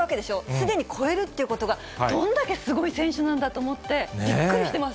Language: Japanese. すでに超えるってことが、どんだけすごい選手なんだと思って、びっくりしてます。